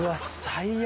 最悪。